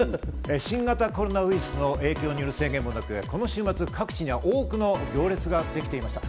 新型コロナウイルスの影響による制限もなくこの週末、各地には多くの行列ができていました。